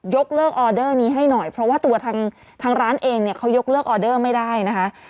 ยกเลิกออเดอร์นี้ให้หน่อยเพราะว่าตัวทางร้านเองเนี่ยเขายกเลิกออเดอร์ไม่ได้นะคะ